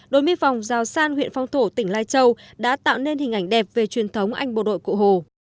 đối miên phòng giao san huyện phong thổ tỉnh lai châu đã tạo nên hình ảnh đẹp về truyền thống anh bộ đội cụ hồ